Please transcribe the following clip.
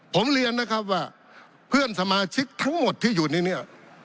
ผมเรียนนะครับว่าเพื่อนสมาชิกทั้งหมดที่อยู่ในนี้